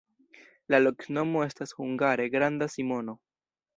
La loknomo estas hungare: granda Simono.